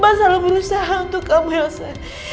mbak selalu berusaha untuk kamu elsa